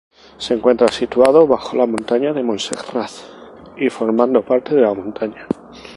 Se encuentra situado bajo la montaña de Montserrat y formando parte de la montaña.